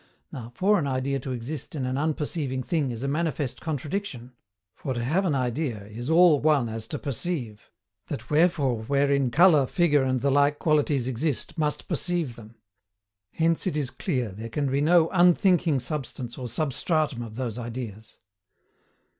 Now, for an idea to exist in an unperceiving thing is a manifest contradiction, for TO HAVE AN IDEA IS ALL ONE AS TO PERCEIVE; that therefore wherein colour, figure, and the like qualities exist must perceive them; hence it is clear there can be no UNTHINKING substance or SUBSTRATUM of those ideas.